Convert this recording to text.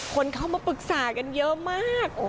คนเข้ามาปรึกษากันเยอะมาก